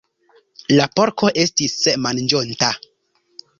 La porko estis manĝonta.